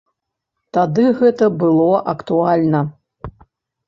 Тады гэта было актуальна.